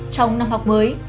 trong năm học mới